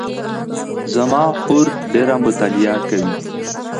زما خور ډېره مطالعه کوي